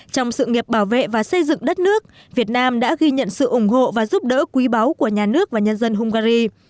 trong sự nghiệp bảo vệ và xây dựng đất nước việt nam đã ghi nhận sự ủng hộ và giúp đỡ quý báu của nhà nước và nhân dân hungary